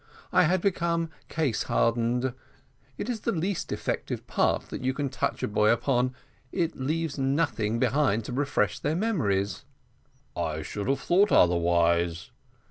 I had become case hardened. It is the least effective part that you can touch a boy upon. It leaves nothing behind to refresh their memory." "I should have thought otherwise."